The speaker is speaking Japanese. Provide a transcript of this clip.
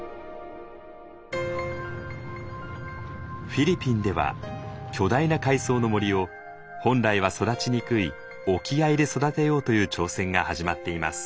フィリピンでは巨大な海藻の森を本来は育ちにくい沖合で育てようという挑戦が始まっています。